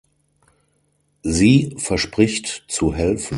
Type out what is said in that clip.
Sie verspricht zu helfen.